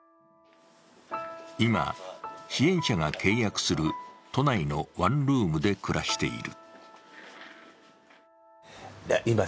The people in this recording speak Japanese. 今、支援者が契約する都内のワンルームで暮らしている。